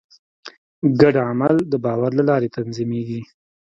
ګډ عمل د باور له لارې تنظیمېږي.